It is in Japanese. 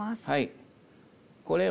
はい。